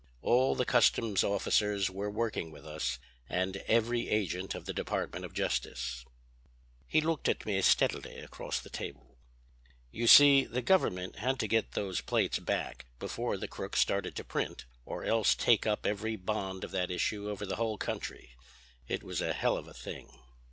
All the customs officers were, working with us, and every agent of the Department of Justice." He looked at me steadily across the table. "You see the Government had to get those plates back before the crook started to print, or else take up every bond of that issue over the whole country. It was a hell of a thing!